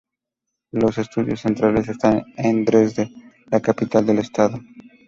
Los estudios centrales están en Dresde, la capital del estado.